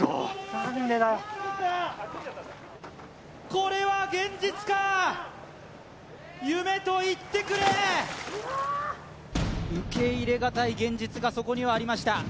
これは現実か夢と言ってくれ受け入れがたい現実がそこにはありました